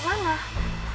ya udah gini aja tante